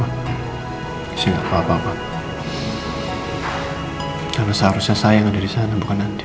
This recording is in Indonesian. aku sengaja bawa rena supaya ketemu sama mbak andi